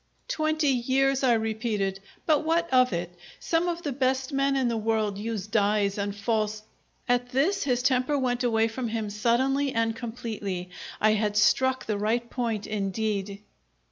"Twenty years," I repeated. "But what of it? Some of the best men in the world use dyes and false " At this his temper went away from him suddenly and completely. I had struck the right point indeed!